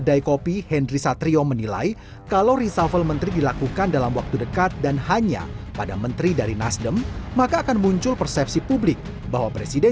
jokowi dodo tidak menampik akan berlaku reshuffle